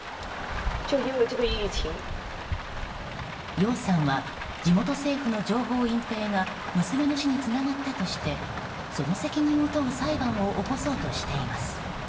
ヨウさんは地元政府の情報隠ぺいが娘の死につながったとしてその責任を問う裁判を起こそうとしています。